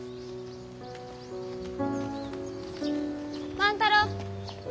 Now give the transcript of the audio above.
万太郎！